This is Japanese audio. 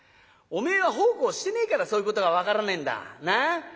「おめえは奉公してねえからそういうことが分からねえんだ。